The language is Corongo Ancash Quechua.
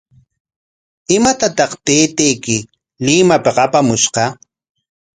¿Imatataq taytayki Limapik apamushqa?